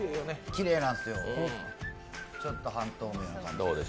きれいなんですよちょっと半透明な感じで。